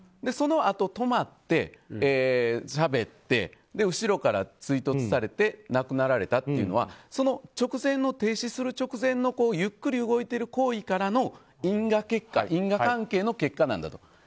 そのあと、止まってしゃべって後ろから追突されて亡くなられたというのは停止する直前のゆっくり動いている行為からの因果関係の結果なんだと。